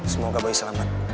semoga boy selamat